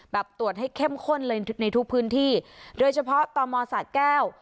ตรวจให้เข้มข้นเลยในทุกพื้นที่โดยเฉพาะตมสะแก้ว